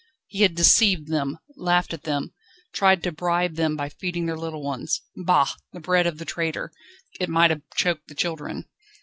He had deceived them, laughed at them, tried to bribe them by feeding their little ones! Bah! the bread of the traitor! It might have choked the children.